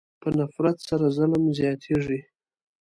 په نفرت سره ظلم زیاتېږي.